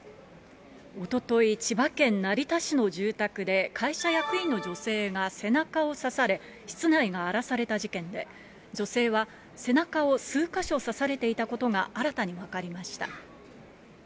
おととい、千葉県成田市の住宅で、会社役員の女性が背中を刺され、室内が荒らされた事件で、女性は背中を数か所刺されていたことが新たに分かりました。